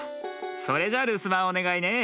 それじゃるすばんおねがいね。